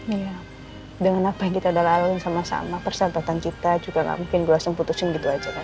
iya dengan apa yang kita udah lalu sama sama persahabatan kita juga gak mungkin gue langsung putusin gitu aja kan